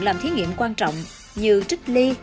làm thí nghiệm quan trọng như trích ly